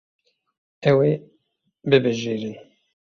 Ew ê bibijêrin.